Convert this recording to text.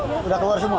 sudah keluar semua